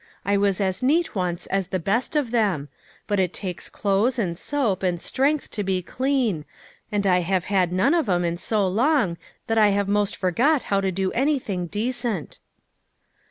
I was as neat once as the best of them; but it takes clothes and soap and strength to be clean, and I have had none of 'em in so lon<r that I have O most forgot how to do anything decent."